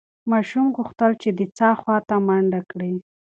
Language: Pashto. ماشوم غوښتل چې د څاه خواته منډه کړي.